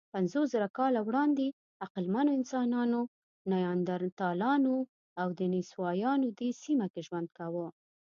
پنځوسزره کاله وړاندې عقلمنو انسانانو، نیاندرتالانو او دنیسووایانو دې سیمه کې ژوند کاوه.